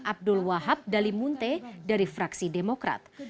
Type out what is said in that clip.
abdul wahab dali munte dari fraksi demokrat